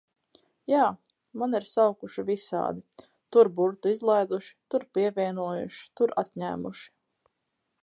Jā, mani ir saukuši visādi, tur burtu izlaiduši, tur pievienojuši, tur atņēmuši.